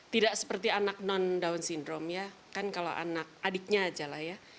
tidak seperti anak non down syndrome ya kan kalau anak adiknya aja lah ya